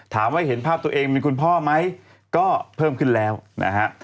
ถามว่าเห็นภาพตัวเองมีคุณพ่อไหมก็เพิ่มขึ้นแล้วนะฮะ